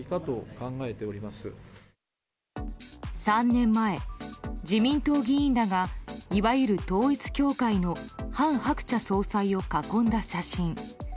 ３年前、自民党議員らがいわゆる統一教会の韓鶴子総裁を囲んだ写真。